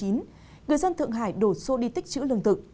người dân thượng hải đổ xô đi tích chữ lương thực